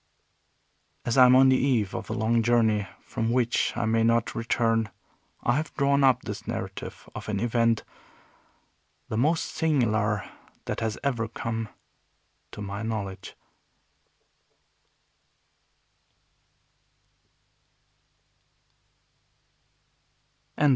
As I am on the eve of a long journey from which I may not return, I have drawn up this narrative of an event the most singular that has ever come to my knowledge.